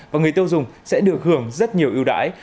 một trăm linh và người tiêu dùng sẽ được hưởng rất nhiều ưu đãi